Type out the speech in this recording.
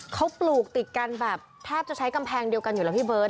เขาปลูกติดกันแบบแทบจะใช้กำแพงเดียวกันอยู่แล้วพี่เบิร์ต